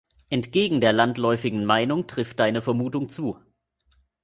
Entgegen der landläufigen Meinung trifft deine Vermutung zu.